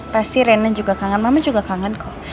pasti renan juga kangen mama juga kangen kok